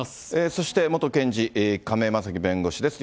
そして元検事、亀井正貴弁護士です。